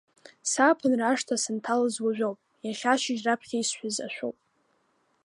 Сааԥынра ашҭа санҭалаз уажәоуп, иахьа ашьыжь раԥхьа исҳәаз ашәоуп.